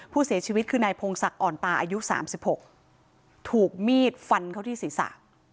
ผู้เสียชีวิตคือนายพงศักดิ์อ่อนตาอายุ๓๖ถูกมีดฟันเข้าที่ศีรษะ